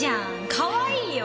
かわいいよ。ね？